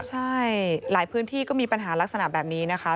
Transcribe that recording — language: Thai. ใช่หลายพื้นที่ก็มีปัญหาลักษณะแบบนี้นะคะ